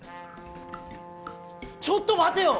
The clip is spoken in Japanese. ちょっと待てよ！